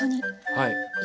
はい。